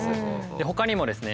ほかにもですね